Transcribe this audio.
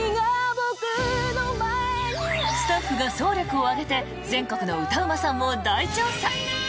スタッフが総力を挙げて全国の歌うまさんを大調査。